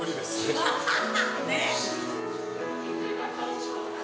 ハハハ